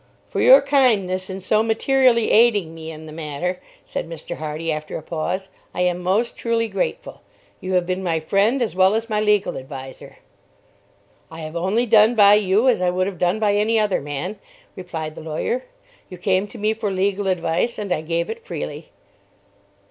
"For your kindness in so materially aiding me in the matter," said Mr. Hardy, after a pause, "I am most truly grateful. You have been my friend as well as my legal adviser." "I have only done by you as I would have done by any other man," replied the lawyer. "You came to me for legal advice, and I gave it freely."